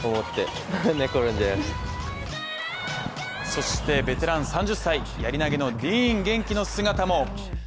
そして、ベテラン３０歳やり投げのディーン元気の姿も。